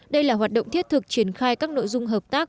đây là hoạt động thiết thực triển khai các nội dung hợp tác